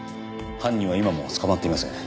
犯人は今も捕まっていません。